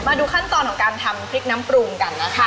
มาดูขั้นตอนของการทำพริกน้ำปรุงกันนะคะ